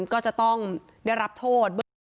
ก็จะต้องได้รับโทษ